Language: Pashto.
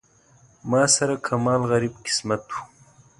ما سره کمال غریب قسمت و.